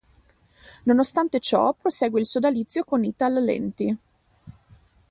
Nonostante ciò, prosegue il sodalizio con Ital-Lenti.